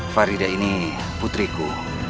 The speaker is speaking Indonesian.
faridah ini putriku